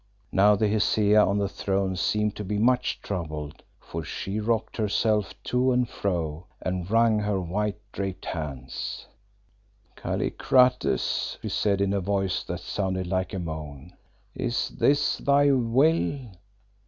Now the Hesea on the throne seemed to be much troubled, for she rocked herself to and fro, and wrung her white draped hands. "Kallikrates," she said in a voice that sounded like a moan, "is this thy will?